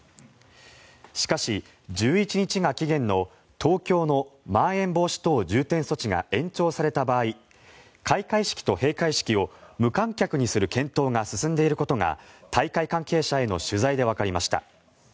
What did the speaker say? しかし、１１日が期限の東京のまん延防止等重点措置が延長された場合開会式と閉会式を無観客にする検討が進んでいることが大会関係者への取材でわかりました。